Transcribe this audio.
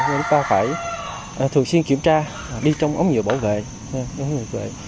chúng ta phải thường xuyên kiểm tra đi trong ống nhiều bảo vệ